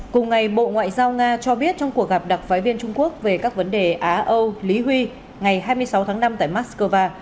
cùng ngày bộ ngoại giao nga cho biết trong cuộc gặp đặc phái viên trung quốc về các vấn đề á âu lý huy ngày hai mươi sáu tháng năm tại moscow